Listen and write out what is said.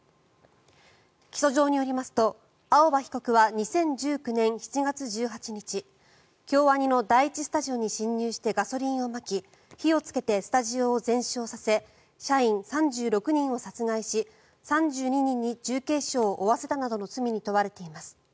起訴状によりますと青葉被告は２０１９年７月１８日京アニの第１スタジオに侵入してガソリンをまき火をつけてスタジオを全焼させ社員３６人を殺害し３２人に重軽傷を負わせたなどの罪に問われています。